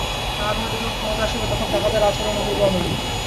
তাহাদের হাতে যখন ক্ষমতা আসিবে, তখন তাহাদের আচরণও হইবে অনুরূপ।